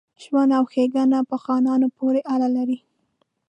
ژوند او ښېګڼه په خانانو پوري اړه لري.